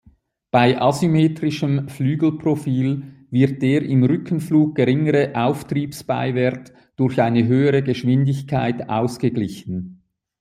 Bei asymmetrischem Flügelprofil wird der im Rückenflug geringere Auftriebsbeiwert durch eine höhere Geschwindigkeit ausgeglichen.